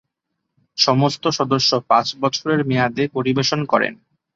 সমস্ত সদস্য পাঁচ বছরের মেয়াদে পরিবেশন করেন।